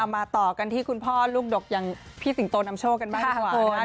มาต่อกันที่คุณพ่อลูกดกอย่างพี่สิงโตนำโชคกันบ้างดีกว่านะครับ